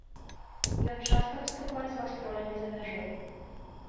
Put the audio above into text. Ён часта выступае з гастролямі за мяжой.